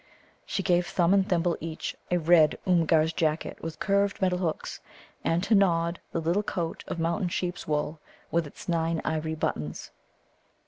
She gave Thumb and Thimble each a red Oomgar's jacket with curved metal hooks, and to Nod the little coat of mountain sheep's wool, with its nine ivory buttons.